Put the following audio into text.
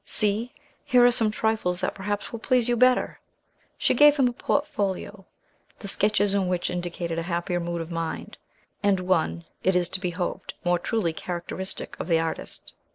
See! here are some trifles that perhaps will please you better." She gave him a portfolio, the sketches in which indicated a happier mood of mind, and one, it is to be hoped, more truly characteristic of the artist.